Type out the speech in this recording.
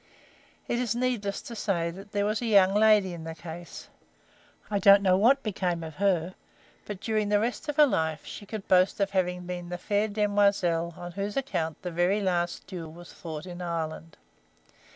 It is needless to say that there was a young lady in the case; I don't know what became of her, but during the rest of her life she could boast of having been the fair demoiselle on whose account the very last duel was fought in Ireland.